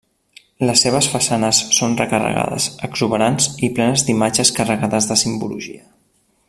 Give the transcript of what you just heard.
Les seves façanes són recarregades, exuberants i plenes d'imatges carregades de simbologia.